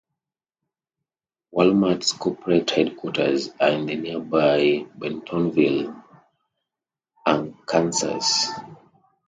Walmart's corporate headquarters are in nearby Bentonville, Arkansas.